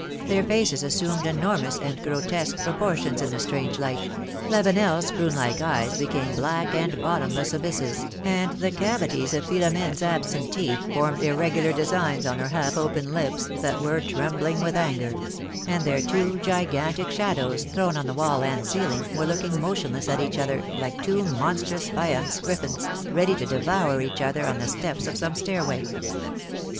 Their faces assumed enor mous and grotesque proportions in the strange light; LaveneFs prune like eyes became black and bottomless abysses, and the cavities of Philomene's absent teeth formed irregular designs on her half open lips, that were trembling with anger; and their two gigantic shadows, thrown on the wall and ceiling, were looking motionless at each other, like two monstrous faience grifSns, ready to devour each other, on the steps of some stairway.